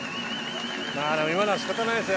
今のは仕方ないですね。